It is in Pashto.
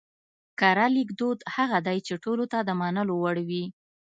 کره ليکدود هغه دی چې ټولو ته د منلو وړ وي